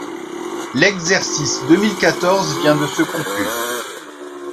L’exercice deux mille quatorze vient de se conclure.